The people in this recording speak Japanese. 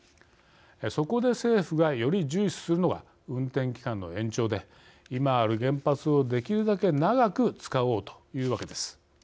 そこで政府がより重視するのが運転期間の延長で今ある原発をできるだけ長く使おうというわけです。